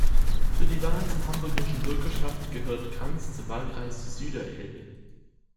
Für die Wahl zur Hamburgischen Bürgerschaft gehört Cranz zum Wahlkreis Süderelbe.